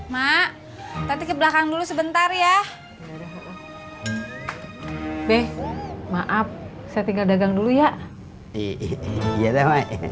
mak nanti ke belakang dulu sebentar ya be maaf saya tinggal dagang dulu ya iya